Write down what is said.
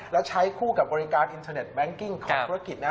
และใช้คู่กับบริการอินเทอร์เน็งกิ้งของธุรกิจนะ